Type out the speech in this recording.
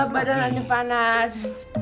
badan aneh fanas